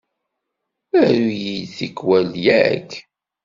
Aru-yi-d tikwal, yak?